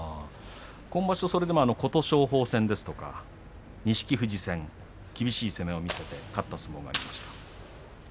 今場所は琴勝峰戦ですとか錦富士戦、厳しい相撲を見せて勝った相撲がありました。